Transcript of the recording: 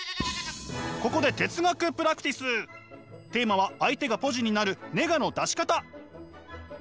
ここでテーマは相手がポジになるネガの出し方。